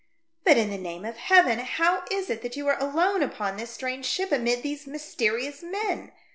'•' But, in the name of Heaven ! how Is it that you are alone upon this strange ship, amid these mysterious men